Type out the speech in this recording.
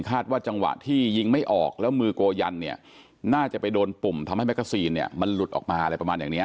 ว่าจังหวะที่ยิงไม่ออกแล้วมือโกยันเนี่ยน่าจะไปโดนปุ่มทำให้แกซีนเนี่ยมันหลุดออกมาอะไรประมาณอย่างนี้